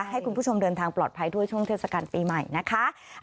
ให้คุณผู้ชมเดินทางปลอดภัยด้วยช่วงเทศกาลปีใหม่นะคะ